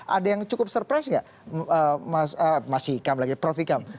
ada yang cukup surprise nggak mas ikam lagi prof ikam